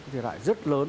thiệt hại rất lớn